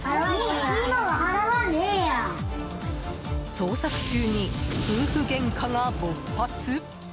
捜索中に夫婦げんかが勃発？